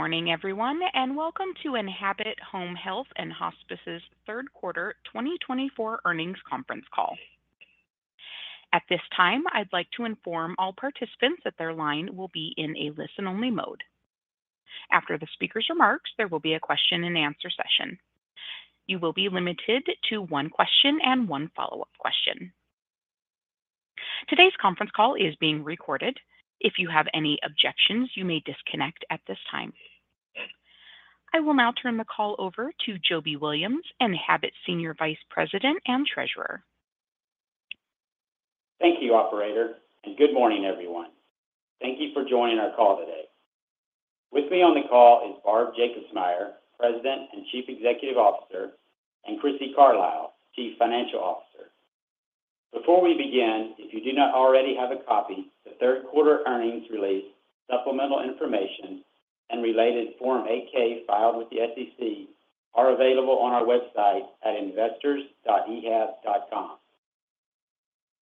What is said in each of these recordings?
Good morning, everyone, and welcome to Enhabit Home Health & Hospice's Third Quarter 2024 Earnings Conference Call. At this time, I'd like to inform all participants that their line will be in a listen-only mode. After the speaker's remarks, there will be a question and answer session. You will be limited to one question and one follow-up question. Today's conference call is being recorded. If you have any objections, you may disconnect at this time. I will now turn the call over to Jobie Williams, Enhabit Senior Vice President and Treasurer. Thank you, Operator, and good morning, everyone. Thank you for joining our call today. With me on the call is Barb Jacobsmeyer, President and Chief Executive Officer, and Crissy Carlisle, Chief Financial Officer. Before we begin, if you do not already have a copy, the Third Quarter Earnings release, supplemental information, and related Form 8-K filed with the SEC are available on our website at investors.ehab.com.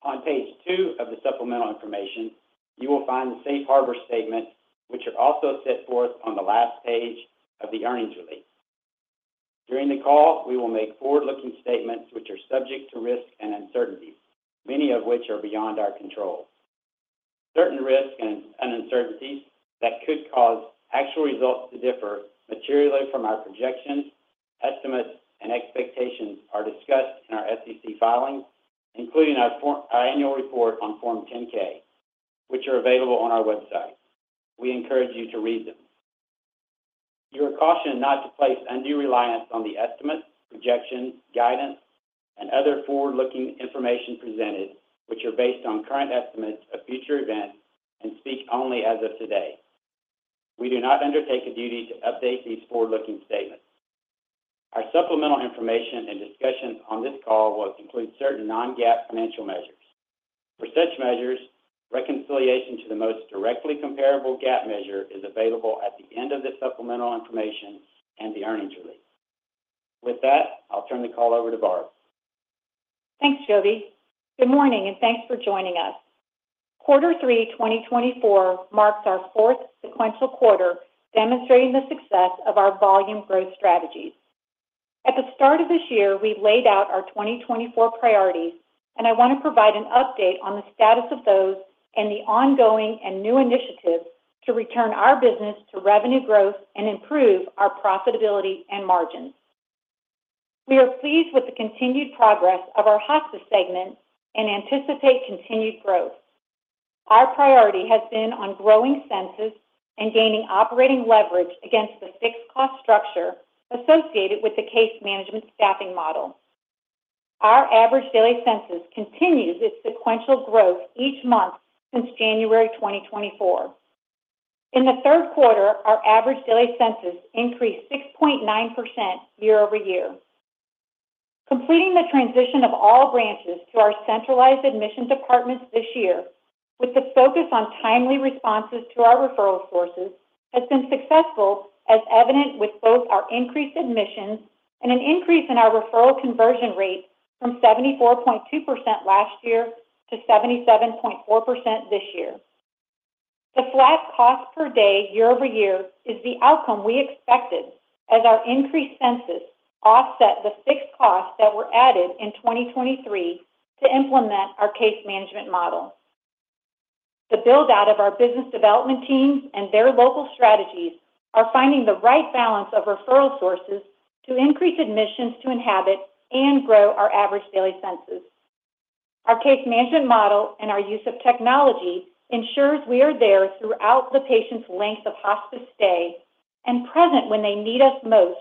On page two of the supplemental information, you will find the Safe Harbor statements, which are also set forth on the last page of the earnings release. During the call, we will make forward-looking statements, which are subject to risk and uncertainties, many of which are beyond our control. Certain risks and uncertainties that could cause actual results to differ materially from our projections, estimates, and expectations are discussed in our SEC filings, including our annual report on Form 10-K, which are available on our website. We encourage you to read them. You are cautioned not to place undue reliance on the estimates, projections, guidance, and other forward-looking information presented, which are based on current estimates of future events and speak only as of today. We do not undertake a duty to update these forward-looking statements. Our supplemental information and discussion on this call will include certain non-GAAP financial measures. For such measures, reconciliation to the most directly comparable GAAP measure is available at the end of the supplemental information and the earnings release. With that, I'll turn the call over to Barb. Thanks, Jobie. Good morning, and thanks for joining us. Quarter Three 2024 marks our fourth sequential quarter, demonstrating the success of our volume growth strategies. At the start of this year, we laid out our 2024 priorities, and I want to provide an update on the status of those and the ongoing and new initiatives to return our business to revenue growth and improve our profitability and margins. We are pleased with the continued progress of our hospice segment and anticipate continued growth. Our priority has been on growing census and gaining operating leverage against the fixed cost structure associated with the case management staffing model. Our average daily census continues its sequential growth each month since January 2024. In the third quarter, our average daily census increased 6.9% year-over-year. Completing the transition of all branches to our centralized admission departments this year, with the focus on timely responses to our referral sources, has been successful, as evident with both our increased admissions and an increase in our referral conversion rate from 74.2% last year to 77.4% this year. The flat cost per day year-over-year is the outcome we expected, as our increased census offsets the fixed costs that were added in 2023 to implement our case management model. The build-out of our business development teams and their local strategies are finding the right balance of referral sources to increase admissions to Enhabit and grow our average daily census. Our case management model and our use of technology ensures we are there throughout the patient's length of hospice stay and present when they need us most,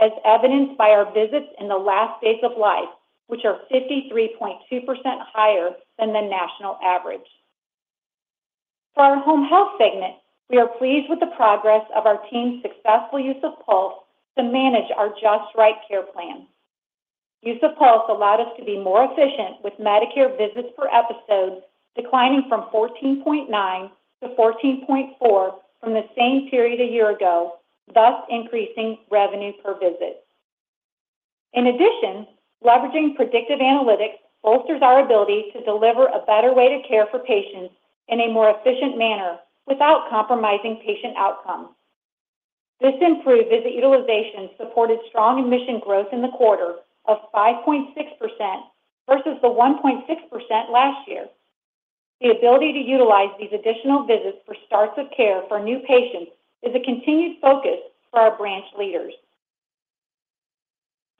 as evidenced by our visits in the last days of life, which are 53.2% higher than the national average. For our Home Health segment, we are pleased with the progress of our team's successful use of Pulse to manage our Just Right Care plan. Use of Pulse allowed us to be more efficient with Medicare visits per episode, declining from 14.9 to 14.4 from the same period a year ago, thus increasing revenue per visit. In addition, leveraging predictive analytics bolsters our ability to deliver a better way to care for patients in a more efficient manner without compromising patient outcomes. This improved visit utilization supported strong admission growth in the quarter of 5.6% versus the 1.6% last year. The ability to utilize these additional visits for starts of care for new patients is a continued focus for our branch leaders.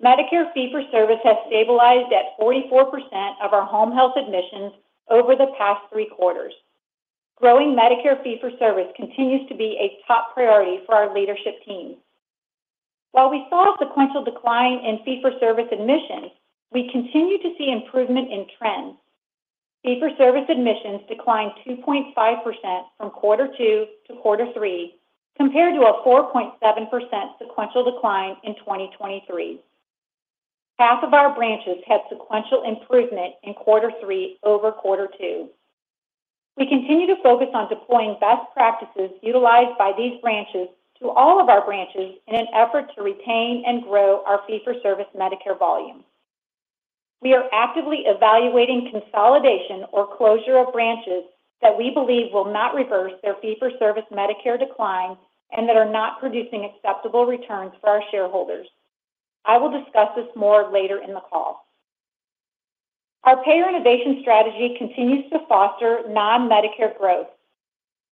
Medicare Fee-for-Service has stabilized at 44% of our home health admissions over the past three quarters. Growing Medicare Fee-for-Service continues to be a top priority for our leadership team. While we saw a sequential decline in Fee-for-Service admissions, we continue to see improvement in trends. Fee-for-Service admissions declined 2.5% from quarter two to quarter three, compared to a 4.7% sequential decline in 2023. Half of our branches had sequential improvement in quarter three over quarter two. We continue to focus on deploying best practices utilized by these branches to all of our branches in an effort to retain and grow our Fee-for-Service Medicare volume. We are actively evaluating consolidation or closure of branches that we believe will not reverse their Fee-for-Service Medicare decline and that are not producing acceptable returns for our shareholders. I will discuss this more later in the call. Our Payor Innovation strategy continues to foster non-Medicare growth.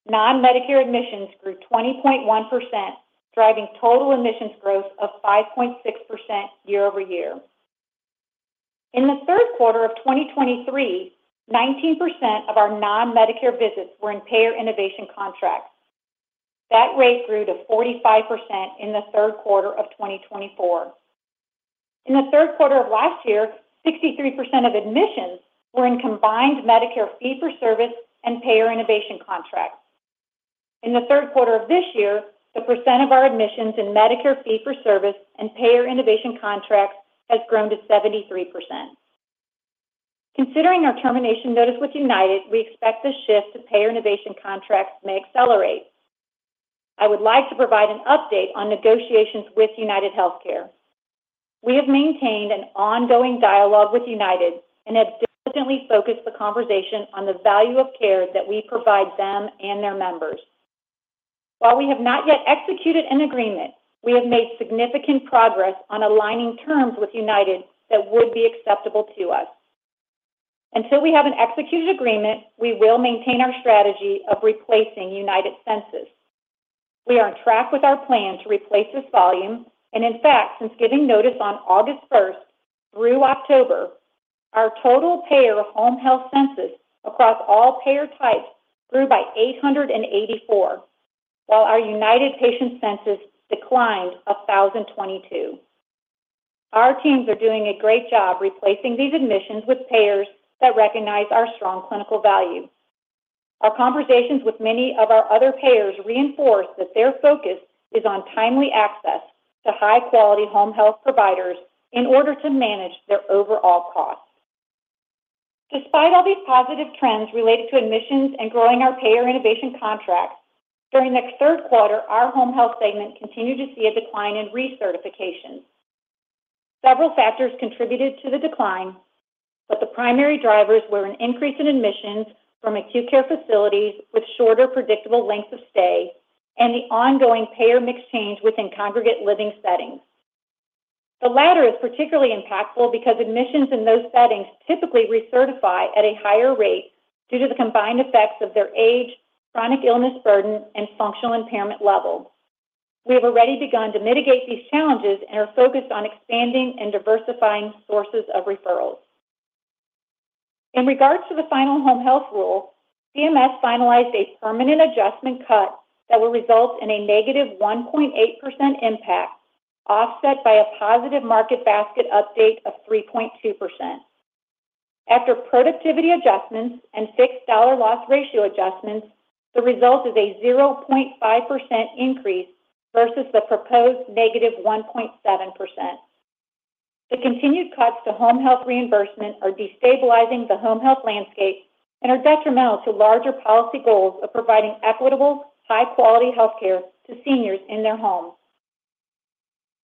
Non-Medicare admissions grew 20.1%, driving total admissions growth of 5.6% year-over-year. In the third quarter of 2023, 19% of our non-Medicare visits were in Payor Innovation contracts. That rate grew to 45% in the third quarter of 2024. In the third quarter of last year, 63% of admissions were in combined Medicare Fee-for-Service and Payor Innovation contracts. In the third quarter of this year, the percent of our admissions in Medicare Fee-for-Service and Payor Innovation contracts has grown to 73%. Considering our termination notice with United, we expect the shift to Payor Innovation contracts may accelerate. I would like to provide an update on negotiations with UnitedHealthcare. We have maintained an ongoing dialogue with United and have diligently focused the conversation on the value of care that we provide them and their members. While we have not yet executed an agreement, we have made significant progress on aligning terms with United that would be acceptable to us. Until we have an executed agreement, we will maintain our strategy of replacing United census. We are on track with our plan to replace this volume, and in fact, since giving notice on August 1st through October, our total payor Home Health census across all payor types grew by 884, while our United patient census declined 1,022. Our teams are doing a great job replacing these admissions with payors that recognize our strong clinical value. Our conversations with many of our other payors reinforce that their focus is on timely access to high-quality Home Health providers in order to manage their overall costs. Despite all these positive trends related to admissions and growing our Payor Innovation contracts, during the third quarter, our Home Health segment continued to see a decline in recertification. Several factors contributed to the decline, but the primary drivers were an increase in admissions from acute care facilities with shorter predictable lengths of stay and the ongoing payor mix change within congregate living settings. The latter is particularly impactful because admissions in those settings typically recertify at a higher rate due to the combined effects of their age, chronic illness burden, and functional impairment level. We have already begun to mitigate these challenges and are focused on expanding and diversifying sources of referrals. In regards to the final Home Health rule, CMS finalized a permanent adjustment cut that will result in a -1.8% impact, offset by a positive market basket update of 3.2%. After productivity adjustments and fixed dollar-loss ratio adjustments, the result is a 0.5% increase versus the proposed -1.7%. The continued cuts to Home Health reimbursement are destabilizing the Home Health landscape and are detrimental to larger policy goals of providing equitable, high-quality healthcare to seniors in their homes.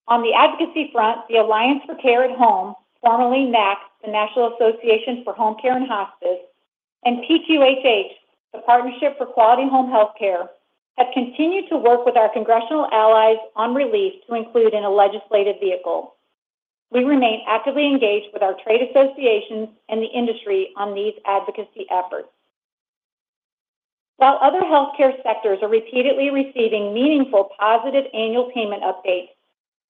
On the advocacy front, the Alliance for Care at Home, formerly NAHC, the National Association for Home Care and Hospice, and PQHH, the Partnership for Quality Home Healthcare, have continued to work with our congressional allies on relief to include in a legislative vehicle. We remain actively engaged with our trade associations and the industry on these advocacy efforts. While other healthcare sectors are repeatedly receiving meaningful positive annual payment updates,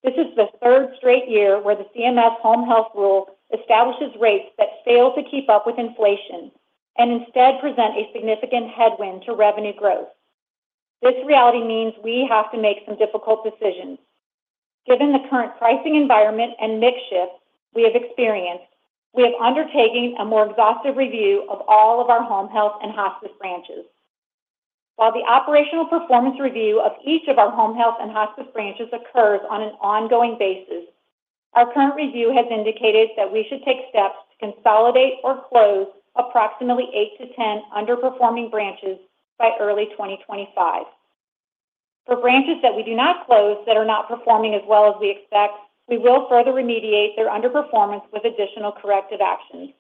this is the third straight year where the CMS Home Health rule establishes rates that fail to keep up with inflation and instead present a significant headwind to revenue growth. This reality means we have to make some difficult decisions. Given the current pricing environment and mix shift we have experienced, we are undertaking a more exhaustive review of all of our Home Health and hospice branches. While the operational performance review of each of our Home Health and hospice branches occurs on an ongoing basis, our current review has indicated that we should take steps to consolidate or close approximately 8 to 10 underperforming branches by early 2025. For branches that we do not close that are not performing as well as we expect, we will further remediate their underperformance with additional corrective actions.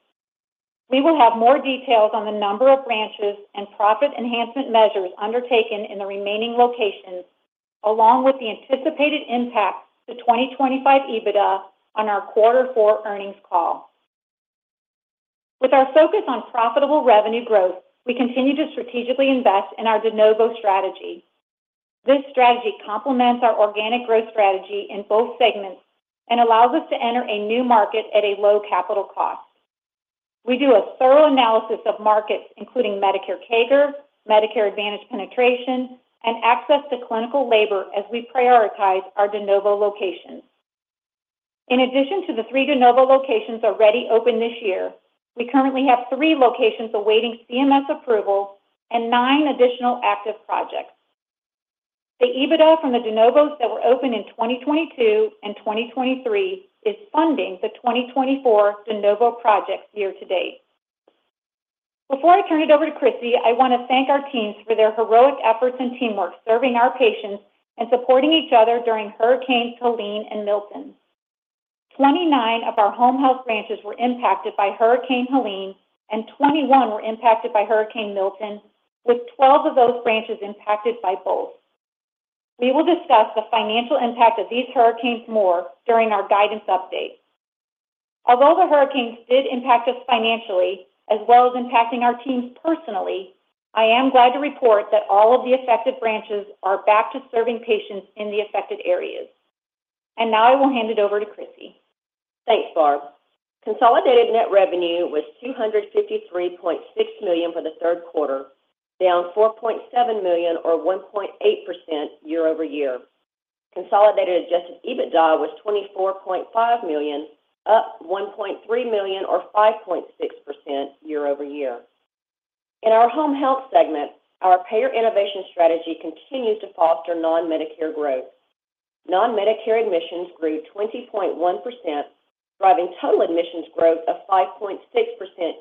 We will have more details on the number of branches and profit enhancement measures undertaken in the remaining locations, along with the anticipated impact to 2025 EBITDA on our quarter four earnings call. With our focus on profitable revenue growth, we continue to strategically invest in our de novo strategy. This strategy complements our organic growth strategy in both segments and allows us to enter a new market at a low capital cost. We do a thorough analysis of markets, including Medicare CAGR, Medicare Advantage penetration, and access to clinical labor as we prioritize our de novo locations. In addition to the three de novo locations already opened this year, we currently have three locations awaiting CMS approval and nine additional active projects. The EBITDA from the de novos that were opened in 2022 and 2023 is funding the 2024 de novo projects year to date. Before I turn it over to Crissy, I want to thank our teams for their heroic efforts and teamwork serving our patients and supporting each other during Hurricane Helene and Milton. 29 of our Home Health branches were impacted by Hurricane Helene, and 21 were impacted by Hurricane Milton, with 12 of those branches impacted by both. We will discuss the financial impact of these hurricanes more during our guidance update. Although the hurricanes did impact us financially, as well as impacting our teams personally, I am glad to report that all of the affected branches are back to serving patients in the affected areas, and now I will hand it over to Crissy. Thanks, Barb. Consolidated net revenue was $253.6 million for the third quarter, down $4.7 million, or 1.8% year-over-year. Consolidated Adjusted EBITDA was $24.5 million, up $1.3 million, or 5.6% year-over-year. In our Home Health segment, our Payor Innovation strategy continues to foster non-Medicare growth. Non-Medicare admissions grew 20.1%, driving total admissions growth of 5.6%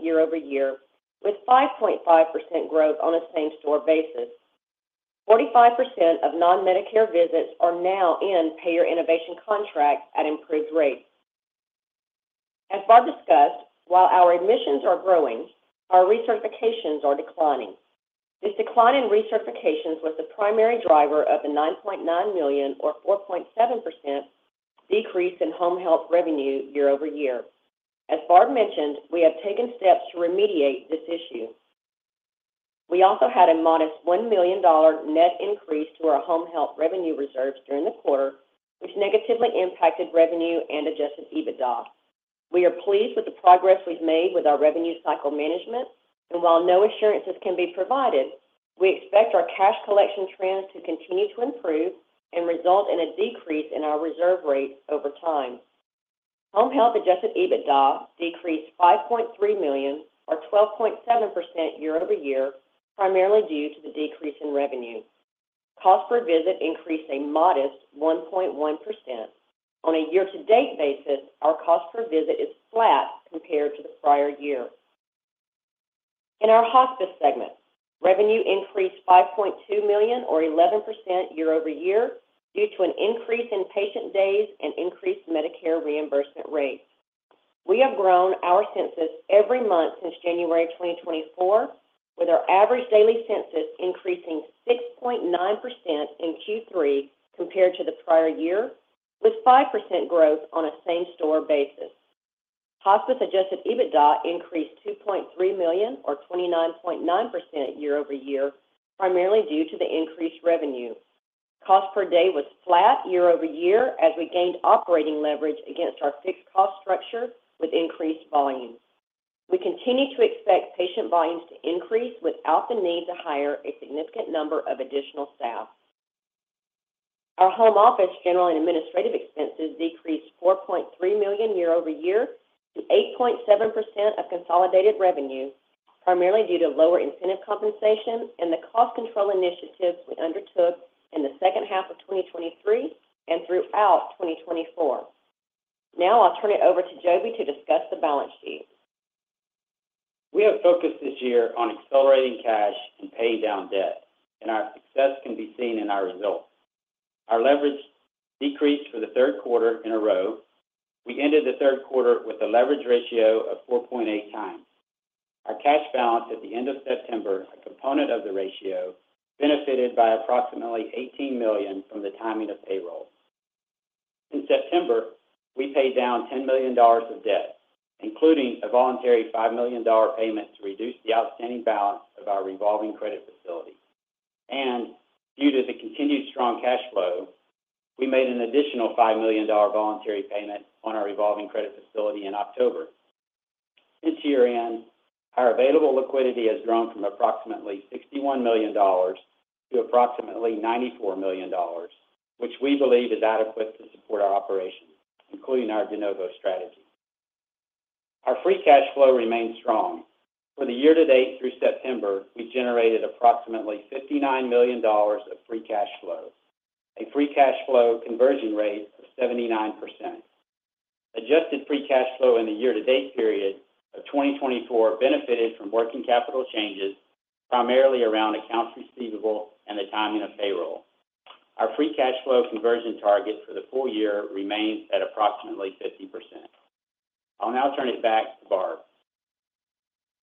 year-over-year, with 5.5% growth on a same-store basis. 45% of non-Medicare visits are now in Payor Innovation contracts at improved rates. As Barb discussed, while our admissions are growing, our recertifications are declining. This decline in recertifications was the primary driver of the $9.9 million, or 4.7%, decrease in Home Health revenue year-over-year. As Barb mentioned, we have taken steps to remediate this issue. We also had a modest $1 million net increase to our Home Health revenue reserves during the quarter, which negatively impacted revenue and Adjusted EBITDA. We are pleased with the progress we've made with our revenue cycle management, and while no assurances can be provided, we expect our cash collection trends to continue to improve and result in a decrease in our reserve rate over time. Home Health Adjusted EBITDA decreased $5.3 million, or 12.7% year-over-year, primarily due to the decrease in revenue. Cost per visit increased a modest 1.1%. On a year-to-date basis, our cost per visit is flat compared to the prior year. In our hospice segment, revenue increased $5.2 million, or 11% year-over-year, due to an increase in patient days and increased Medicare reimbursement rate. We have grown our census every month since January 2024, with our average daily census increasing 6.9% in Q3 compared to the prior year, with 5% growth on a same-store basis. Hospice Adjusted EBITDA increased $2.3 million, or 29.9% year-over-year, primarily due to the increased revenue. Cost per day was flat year-over-year as we gained operating leverage against our fixed cost structure with increased volume. We continue to expect patient volumes to increase without the need to hire a significant number of additional staff. Our home office general and administrative expenses decreased $4.3 million year-over-year to 8.7% of consolidated revenue, primarily due to lower incentive compensation and the cost control initiatives we undertook in the second half of 2023 and throughout 2024. Now I'll turn it over to Jobie to discuss the balance sheet. We have focused this year on accelerating cash and paying down debt, and our success can be seen in our results. Our leverage decreased for the third quarter in a row. We ended the third quarter with a leverage ratio of 4.8x. Our cash balance at the end of September, a component of the ratio, benefited by approximately $18 million from the timing of payroll. In September, we paid down $10 million of debt, including a voluntary $5 million payment to reduce the outstanding balance of our revolving credit facility, and due to the continued strong cash flow, we made an additional $5 million voluntary payment on our revolving credit facility in October. Since year-end, our available liquidity has grown from approximately $61 million to approximately $94 million, which we believe is adequate to support our operations, including our De Novo strategy. Our free cash flow remained strong. For the year-to-date through September, we generated approximately $59 million of free cash flow, a free cash flow conversion rate of 79%. Adjusted free cash flow in the year-to-date period of 2024 benefited from working capital changes, primarily around accounts receivable and the timing of payroll. Our free cash flow conversion target for the full year remains at approximately 50%. I'll now turn it back to Barb.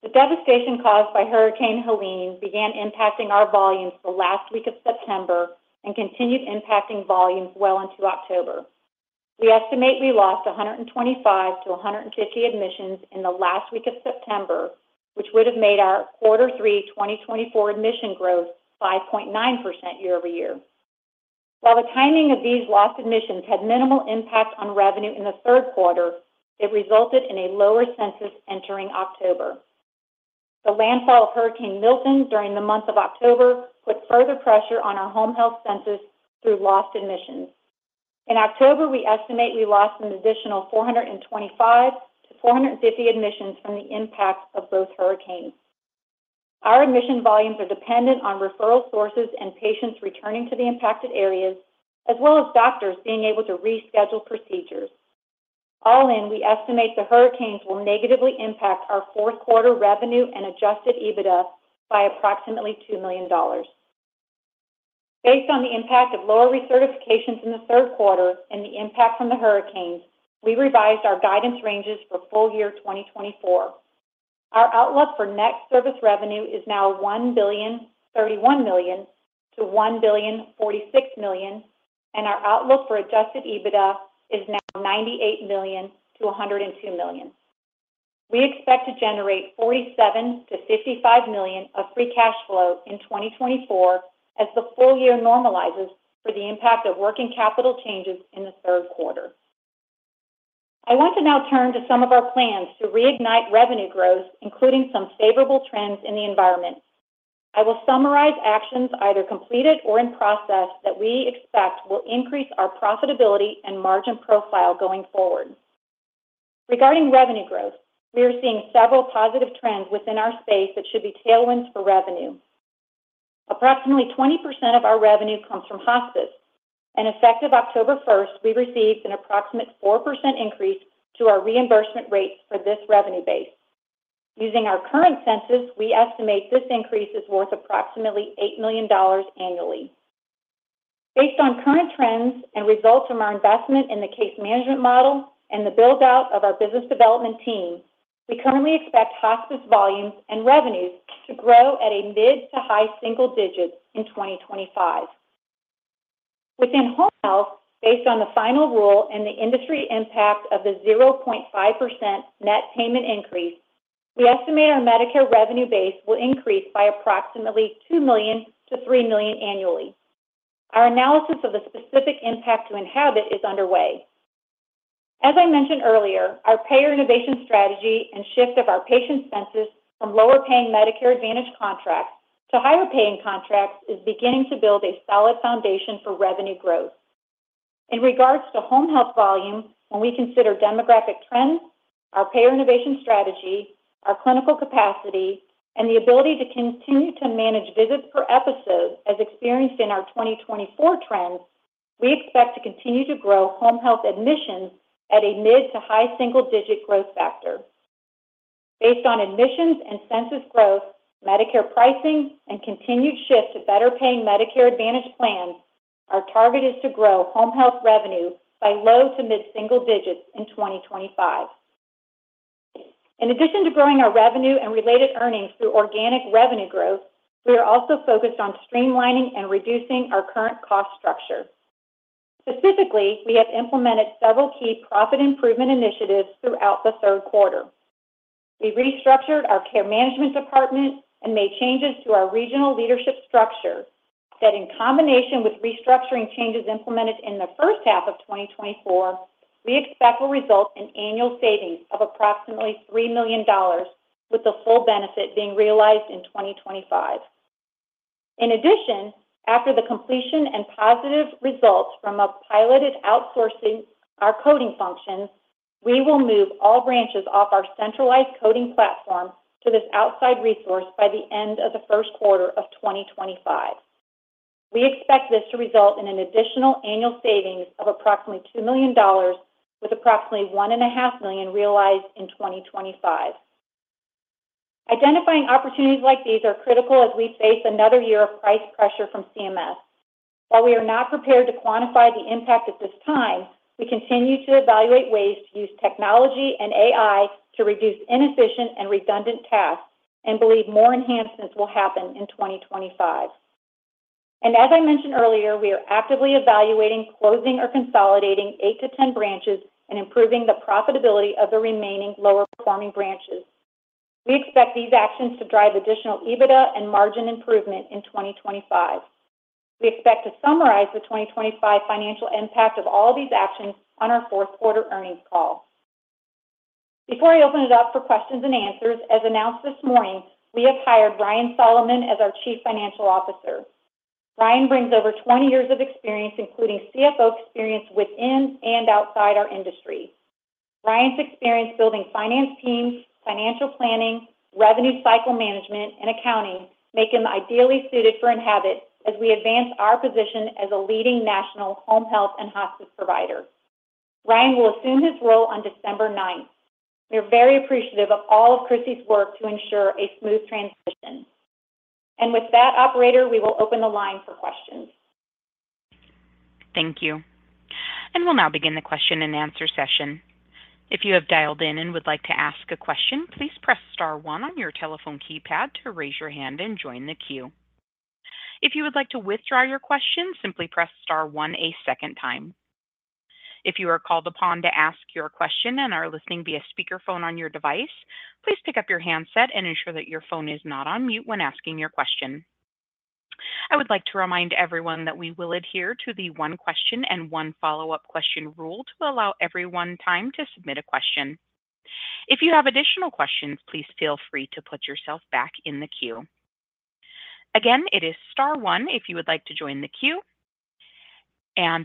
The devastation caused by Hurricane Helene began impacting our volumes the last week of September and continued impacting volumes well into October. We estimate we lost 125-150 admissions in the last week of September, which would have made our Quarter Three 2024 admission growth 5.9% year-over-year. While the timing of these lost admissions had minimal impact on revenue in the third quarter, it resulted in a lower census entering October. The landfall of Hurricane Milton during the month of October put further pressure on our Home Health census through lost admissions. In October, we estimate we lost an additional 425-450 admissions from the impact of both hurricanes. Our admission volumes are dependent on referral sources and patients returning to the impacted areas, as well as doctors being able to reschedule procedures. All in, we estimate the hurricanes will negatively impact our fourth quarter revenue and Adjusted EBITDA by approximately $2 million. Based on the impact of lower recertifications in the third quarter and the impact from the hurricanes, we revised our guidance ranges for full year 2024. Our outlook for net service revenue is now $1.031 billion-$1.046 billion, and our outlook for Adjusted EBITDA is now $98-$102 million. We expect to generate $47-$55 million of free cash flow in 2024 as the full year normalizes for the impact of working capital changes in the third quarter. I want to now turn to some of our plans to reignite revenue growth, including some favorable trends in the environment. I will summarize actions either completed or in process that we expect will increase our profitability and margin profile going forward. Regarding revenue growth, we are seeing several positive trends within our space that should be tailwinds for revenue. Approximately 20% of our revenue comes from hospice, and effective October 1st, we received an approximate 4% increase to our reimbursement rates for this revenue base. Using our current census, we estimate this increase is worth approximately $8 million annually. Based on current trends and results from our investment in the case management model and the build-out of our business development team, we currently expect hospice volumes and revenues to grow at a mid to high single digit in 2025. Within Home Health, based on the final rule and the industry impact of the 0.5% net payment increase, we estimate our Medicare revenue base will increase by approximately $2 million-$3 million annually. Our analysis of the specific impact to Enhabit is underway. As I mentioned earlier, our Payor Innovation strategy and shift of our patient census from lower-paying Medicare Advantage contracts to higher-paying contracts is beginning to build a solid foundation for revenue growth. In regards to Home Health volume, when we consider demographic trends, our Payor Innovation strategy, our clinical capacity, and the ability to continue to manage visits per episode as experienced in our 2024 trends, we expect to continue to grow Home Health admissions at a mid to high single-digit growth factor. Based on admissions and census growth, Medicare pricing, and continued shift to better-paying Medicare Advantage plans, our target is to grow Home Health revenue by low to mid single digits in 2025. In addition to growing our revenue and related earnings through organic revenue growth, we are also focused on streamlining and reducing our current cost structure. Specifically, we have implemented several key profit improvement initiatives throughout the third quarter. We restructured our Care Management department and made changes to our regional leadership structure that, in combination with restructuring changes implemented in the first half of 2024, we expect will result in annual savings of approximately $3 million, with the full benefit being realized in 2025. In addition, after the completion and positive results from a piloted outsourcing our coding functions, we will move all branches off our centralized coding platform to this outside resource by the end of the first quarter of 2025. We expect this to result in an additional annual savings of approximately $2 million, with approximately $1.5 million realized in 2025. Identifying opportunities like these are critical as we face another year of price pressure from CMS. While we are not prepared to quantify the impact at this time, we continue to evaluate ways to use technology and AI to reduce inefficient and redundant tasks and believe more enhancements will happen in 2025, and as I mentioned earlier, we are actively evaluating closing or consolidating eight to 10 branches and improving the profitability of the remaining lower-performing branches. We expect these actions to drive additional EBITDA and margin improvement in 2025. We expect to summarize the 2025 financial impact of all these actions on our fourth quarter earnings call. Before I open it up for questions and answers, as announced this morning, we have hired Ryan Solomon as our Chief Financial Officer. Ryan brings over 20 years of experience, including CFO experience within and outside our industry. Ryan's experience building finance teams, financial planning, revenue cycle management, and accounting makes him ideally suited for Enhabit as we advance our position as a leading National Home Health and Hospice provider. Ryan will assume his role on December 9th. We are very appreciative of all of Crissy's work to ensure a smooth transition, and with that, Operator, we will open the line for questions. Thank you. And we'll now begin the question and answer session. If you have dialed in and would like to ask a question, please press star one on your telephone keypad to raise your hand and join the queue. If you would like to withdraw your question, simply press star one a second time. If you are called upon to ask your question and are listening via speakerphone on your device, please pick up your handset and ensure that your phone is not on mute when asking your question. I would like to remind everyone that we will adhere to the one question and one follow-up question rule to allow everyone time to submit a question. If you have additional questions, please feel free to put yourself back in the queue. Again, it is star one if you would like to join the queue.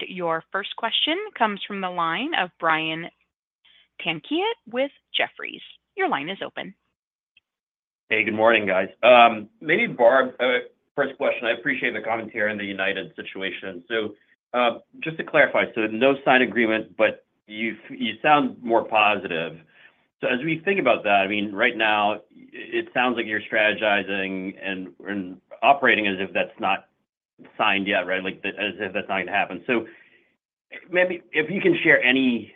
Your first question comes from the line of Brian Tanquilut with Jefferies. Your line is open. Hey, good morning, guys. Maybe Barb, first question. I appreciate the commentary on the United situation. So just to clarify, so no signed agreement, but you sound more positive. So as we think about that, I mean, right now, it sounds like you're strategizing and operating as if that's not signed yet, right? As if that's not going to happen. So maybe if you can share any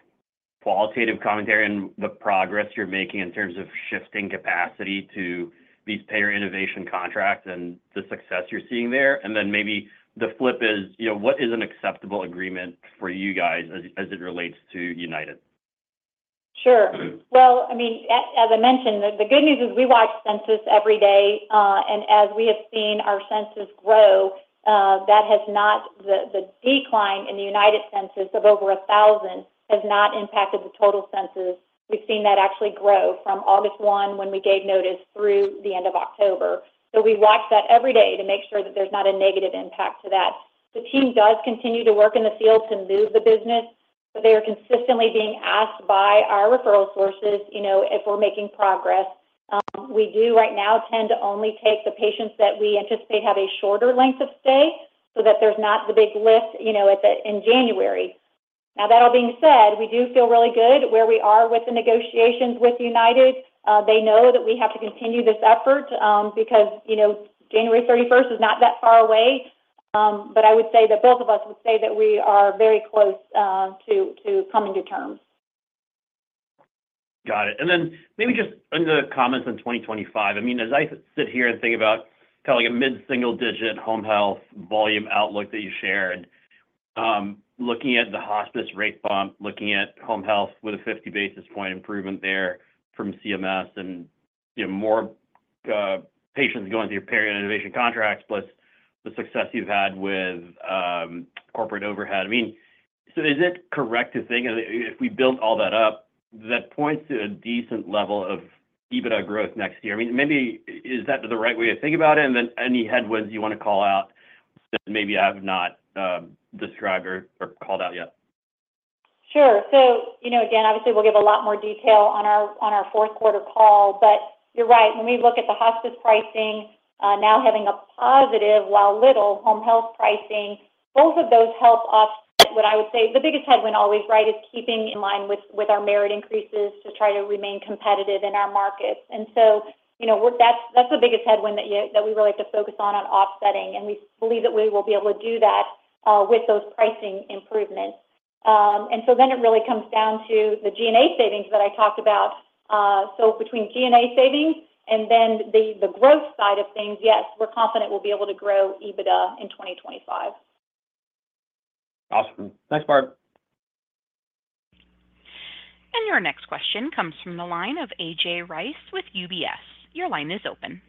qualitative commentary on the progress you're making in terms of shifting capacity to these Payor Innovation contracts and the success you're seeing there. And then maybe the flip is, what is an acceptable agreement for you guys as it relates to United? Sure. Well, I mean, as I mentioned, the good news is we watch census every day. And as we have seen our census grow, that has not, the decline in the United census of over 1,000, has not impacted the total census. We've seen that actually grow from August 1, when we gave notice, through the end of October. So we watch that every day to make sure that there's not a negative impact to that. The team does continue to work in the field to move the business, but they are consistently being asked by our referral sources if we're making progress. We do right now tend to only take the patients that we anticipate have a shorter length of stay so that there's not the big lift in January. Now, that all being said, we do feel really good where we are with the negotiations with United. They know that we have to continue this effort because January 31st is not that far away, but I would say that both of us would say that we are very close to coming to terms. Got it. And then maybe just in the comments on 2025, I mean, as I sit here and think about kind of like a mid single digit Home Health volume outlook that you shared, looking at the hospice rate bump, looking at Home Health with a 50 basis points improvement there from CMS and more patients going through your Payor Innovation contracts plus the success you've had with corporate overhead. I mean, so is it correct to think if we build all that up, that points to a decent level of EBITDA growth next year? I mean, maybe is that the right way to think about it? And then any headwinds you want to call out that maybe I have not described or called out yet? Sure. So again, obviously, we'll give a lot more detail on our fourth quarter call. But you're right. When we look at the hospice pricing, now having a positive, while little Home Health pricing, both of those help offset what I would say the biggest headwind always, right, is keeping in line with our merit increases to try to remain competitive in our markets. And so that's the biggest headwind that we really have to focus on, on offsetting. And we believe that we will be able to do that with those pricing improvements. And so then it really comes down to the G&A savings that I talked about. So between G&A savings and then the growth side of things, yes, we're confident we'll be able to grow EBITDA in 2025. Awesome. Thanks, Barb. And your next question comes from the line of A.J. Rice with UBS. Your line is open.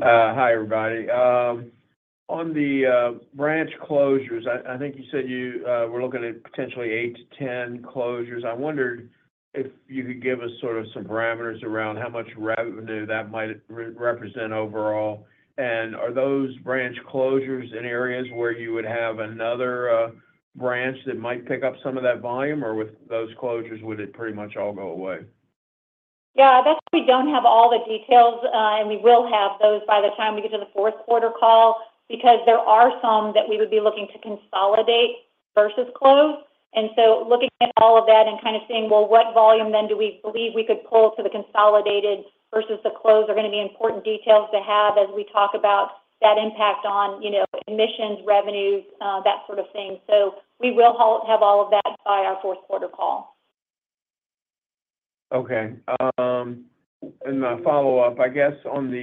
Hi, everybody. On the branch closures, I think you said you were looking at potentially 8-10 closures. I wondered if you could give us sort of some parameters around how much revenue that might represent overall. And are those branch closures in areas where you would have another branch that might pick up some of that volume, or with those closures, would it pretty much all go away? Yeah, that's why we don't have all the details. And we will have those by the time we get to the fourth quarter call because there are some that we would be looking to consolidate versus close. And so looking at all of that and kind of seeing, well, what volume then do we believe we could pull to the consolidated versus the closed are going to be important details to have as we talk about that impact on admissions, revenues, that sort of thing. So we will have all of that by our fourth quarter call. Okay. And my follow-up, I guess, on the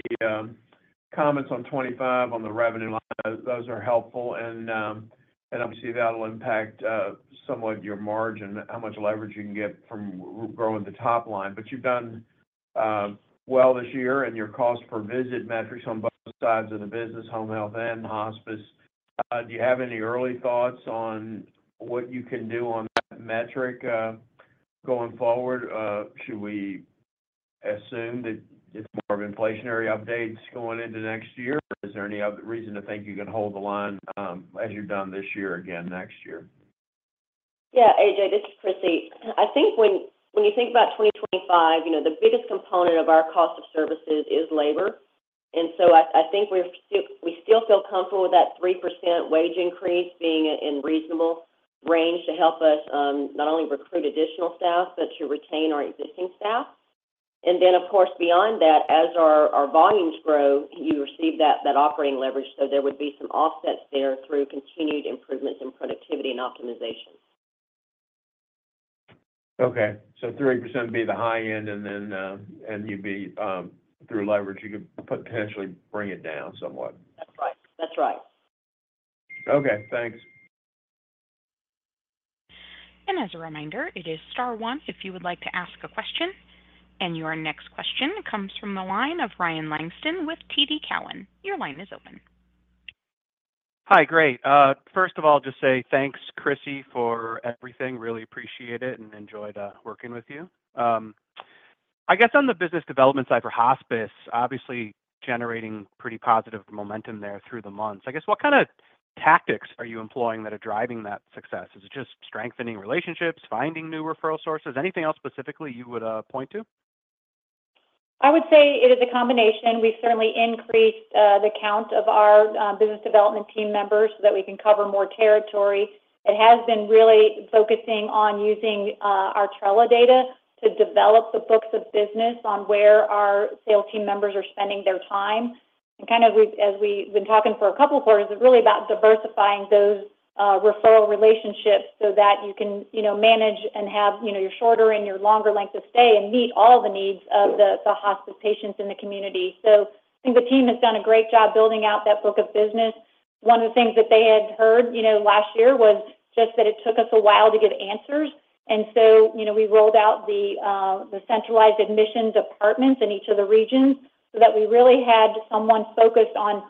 comments on 25 on the revenue line, those are helpful. And obviously, that'll impact somewhat your margin, how much leverage you can get from growing the top line. But you've done well this year in your cost per visit metrics on both sides of the business, Home Health and hospice. Do you have any early thoughts on what you can do on that metric going forward? Should we assume that it's more of inflationary updates going into next year? Is there any reason to think you can hold the line as you're done this year again next year? Yeah, A.J., this is Crissy. I think when you think about 2025, the biggest component of our cost of services is labor. And so I think we still feel comfortable with that 3% wage increase being in reasonable range to help us not only recruit additional staff, but to retain our existing staff. And then, of course, beyond that, as our volumes grow, you receive that operating leverage. So there would be some offsets there through continued improvements in productivity and optimization. Okay, so 3% would be the high end, and then you'd be through leverage, you could potentially bring it down somewhat. That's right. That's right. Okay. Thanks. As a reminder, it is star one if you would like to ask a question. Your next question comes from the line of Ryan Langston with TD Cowen. Your line is open. Hi, great. First of all, just say thanks, Crissy, for everything. Really appreciate it and enjoyed working with you. I guess on the business development side for hospice, obviously generating pretty positive momentum there through the months. I guess what kind of tactics are you employing that are driving that success? Is it just strengthening relationships, finding new referral sources? Anything else specifically you would point to? I would say it is a combination. We've certainly increased the count of our business development team members so that we can cover more territory. It has been really focusing on using our Trella data to develop the books of business on where our sales team members are spending their time. And kind of as we've been talking for a couple of quarters, it's really about diversifying those referral relationships so that you can manage and have your shorter and your longer length of stay and meet all the needs of the hospice patients in the community. So I think the team has done a great job building out that book of business. One of the things that they had heard last year was just that it took us a while to give answers. And so we rolled out the centralized admissions departments in each of the regions so that we really had someone focused on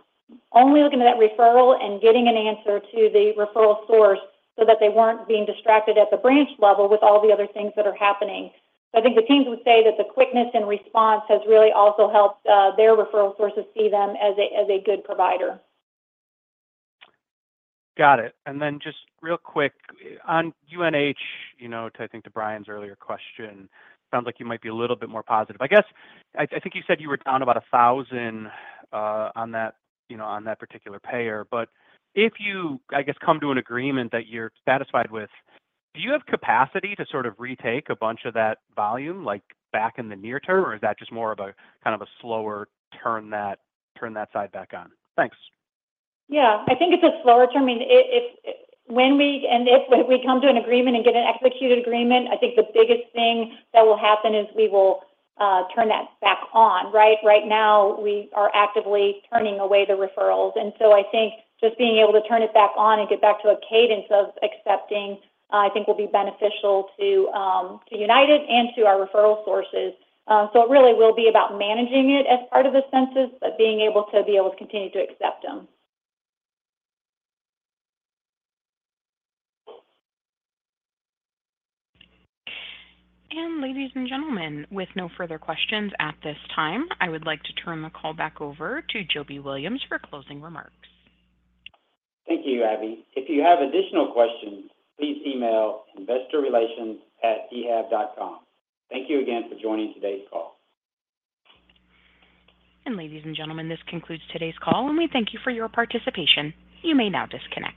only looking at that referral and getting an answer to the referral source so that they weren't being distracted at the branch level with all the other things that are happening. So I think the teams would say that the quickness in response has really also helped their referral sources see them as a good provider. Got it. And then just real quick, on UNH, to I think to Brian's earlier question, sounds like you might be a little bit more positive. I guess I think you said you were down about 1,000 on that particular payor. But if you, I guess, come to an agreement that you're satisfied with, do you have capacity to sort of retake a bunch of that volume back in the near term, or is that just more of a kind of a slower turn that side back on? Thanks. Yeah. I think it's a slower turn. I mean, when we and if we come to an agreement and get an executed agreement, I think the biggest thing that will happen is we will turn that back on, right? Right now, we are actively turning away the referrals. And so I think just being able to turn it back on and get back to a cadence of accepting, I think, will be beneficial to United and to our referral sources. So it really will be about managing it as part of the census, but being able to continue to accept them. Ladies and gentlemen, with no further questions at this time, I would like to turn the call back over to Jobie Williams for closing remarks. Thank you, Abby. If you have additional questions, please email investorrelations@ehab.com. Thank you again for joining today's call. Ladies and gentlemen, this concludes today's call, and we thank you for your participation. You may now disconnect.